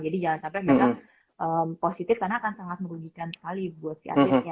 jadi jangan sampai mereka positif karena akan sangat merugikan sekali buat si atletnya